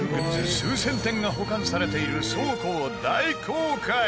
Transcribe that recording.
数千点が保管されている倉庫を大公開！